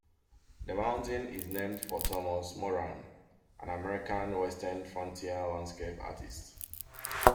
The mountain is named for Thomas Moran, an American western frontier landscape artist.